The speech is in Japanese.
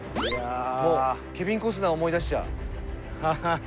もうケビン・コスナー思い出しちゃう。